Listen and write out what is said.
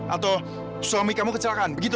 atau suami kamu kecelakaan begitu